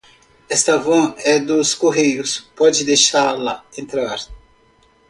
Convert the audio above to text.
Esta van é dos correios. Pode deixá-la entrar.